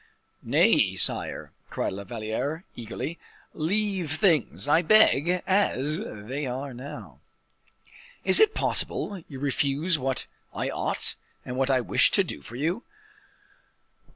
"Nay, sire," cried La Valliere, eagerly; "leave things, I beg, as they are now." "Is it possible! you refuse what I ought, and what I wish to do for you?"